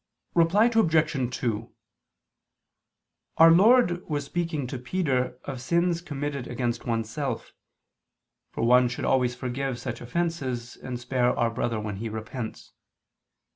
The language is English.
Reply Obj. 2: Our Lord was speaking to Peter of sins committed against oneself, for one should always forgive such offenses and spare our brother when he repents.